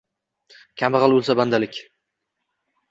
Kambag’al o’lsa-“bandalik”.